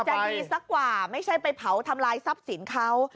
จะดีสักกว่าไม่ใช่ไปเผาทำลายทรัพย์สินเขา